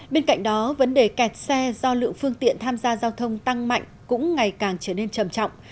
bên cạnh đó vấn đề kẹt xe do lượng phương tiện tham gia giao thông tăng mạnh cũng ngày càng trở nên trầm trọng